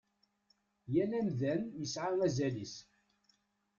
Yal amdan yesɛa azal-is.